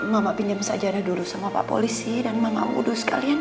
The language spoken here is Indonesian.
mama pinjam sajaran dulu sama pak polisi dan mama mudo sekalian ya